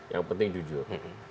yang penting jujur